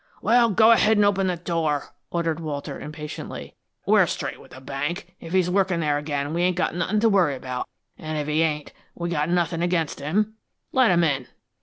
"Well, go ahead an' open the door!" ordered Walter impatiently. "We're straight with the bank. If he's workin' there again we ain't got nothin' to worry about, an' if he ain't, we got nothin' against him. Let him in."